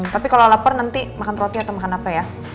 tapi kalau lapar nanti makan roti atau makan apa ya